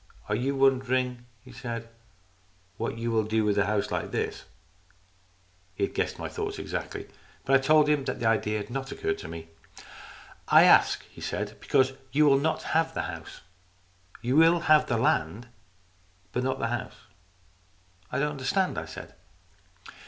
"Are you wondering," he said, " what you will do with a house like this ?" He had guessed my thoughts exactly, but I told him that the idea had not occurred to me. " I ask," he said, " because you will not have the house. You will have the land, but not the house." " I don't understand," I said.